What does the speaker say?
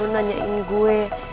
gue selalu nanyain gue